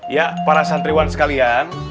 ya para santriwan sekalian